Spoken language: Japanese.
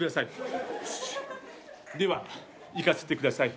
ではいかせてください。